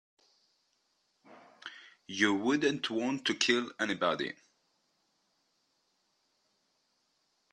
You wouldn't want to kill anybody.